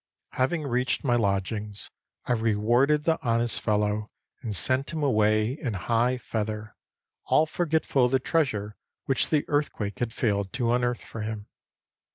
Having reached my lodgings, I rewarded the honest fellow and sent him away in high feather, all forgetful of the treasure which the earthquake had failed to unearth for him.